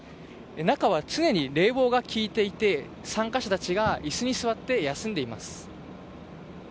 中は常に冷房が効いていて参加者たちが椅子に座って休んでいます。